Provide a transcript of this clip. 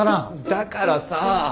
だからさぁ。